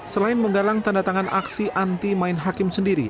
selain menggalang tanda tangan aksi anti main hakim sendiri